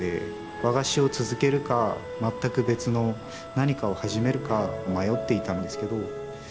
和菓子を続けるか全く別の何かを始めるか迷っていたんですけど。